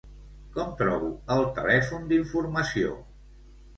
Com trobo el telèfon d'informació?